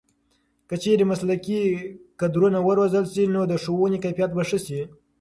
که چېرې مسلکي کدرونه وروزل شي نو د ښوونې کیفیت به ښه شي.